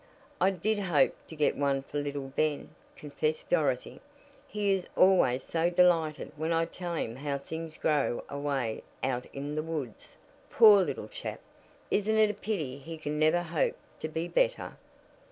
"I did hope to get one for little Ben," confessed Dorothy. "He is always so delighted when I tell him how things grow away out in the woods. Poor little chap! Isn't it a pity he can never hope to be better?"